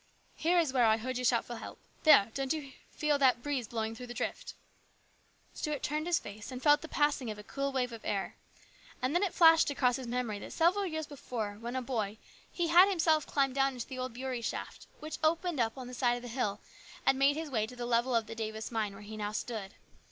Here is where I heard you shout for help. There ! Don't you feel that breeze blowing through the drift ?" Stuart turned his face and felt the passing of a 72 ins BROTHER'S KEEPER. cool wave of air. And then it flashed across his memory that several years before, when a boy, he had himself climbed down into the old Beury shaft, which opened up on the side of the hill, and made his way to the level of the Davis mine, where he now stood.